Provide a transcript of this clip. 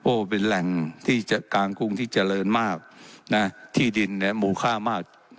โอ้โหเป็นแหล่งที่จะกลางกรุงที่เจริญมากนะที่ดินเนี่ยมูลค่ามาก